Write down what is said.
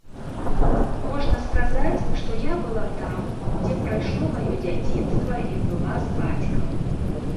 Можна сказаць, што я была там, дзе прайшло маё дзяцінства і была з бацькам.